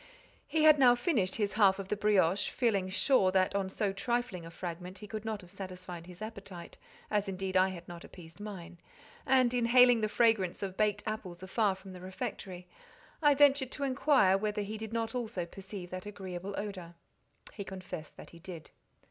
He had now finished his half of the brioche feeling sure that on so trifling a fragment he could not have satisfied his appetite, as indeed I had not appeased mine, and inhaling the fragrance of baked apples afar from the refectory, I ventured to inquire whether he did not also perceive that agreeable odour. He confessed that he did.